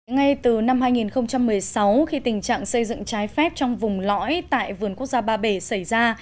ngay từ năm hai nghìn một mươi sáu khi tình trạng xây dựng trái phép trong vùng lõi tại vườn quốc gia ba bể xảy ra